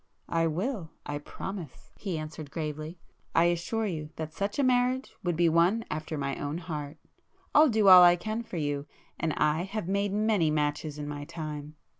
"I will, I promise—" he answered gravely—"I assure you that such a marriage would be one after my own heart. I'll do all I can for you,—and I have made many matches in my time!"